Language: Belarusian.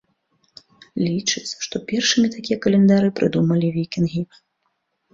Лічыцца, што першымі такія календары прыдумалі вікінгі.